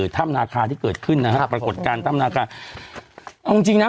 ถ้ำนาคาที่เกิดขึ้นนะฮะปรากฏการณ์ถ้ำนาคาเอาจริงจริงนะ